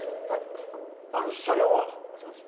あの車両は？もしもし？